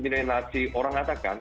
diskriminasi orang ada kan